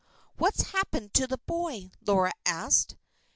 "What's happened to the boy?" Laura asked.